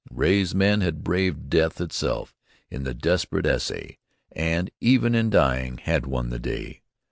Ray's men had braved death itself in the desperate essay, and, even in dying, had won the day.